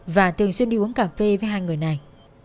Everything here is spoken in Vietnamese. và thường xuyên đi uống cà phê với hai người này